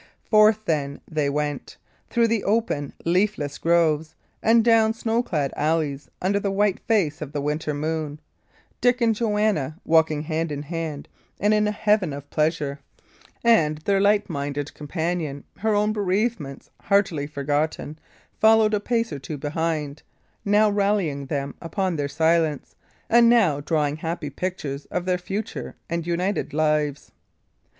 Forth, then, they went, through open leafless groves and down snow clad alleys, under the white face of the winter moon; Dick and Joanna walking hand in hand and in a heaven of pleasure; and their light minded companion, her own bereavements heartily forgotten, followed a pace or two behind, now rallying them upon their silence, and now drawing happy pictures of their future and united lives.